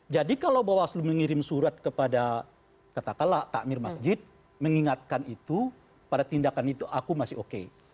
jadi kalau bawaslu mengirim surat kepada kata kata lah takmir masjid mengingatkan itu pada tindakan itu aku masih oke